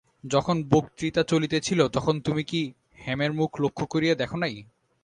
যখন বক্তৃতা চলিতেছিল তখন তুমি কি হেমের মুখ লক্ষ্য করিয়া দেখ নাই?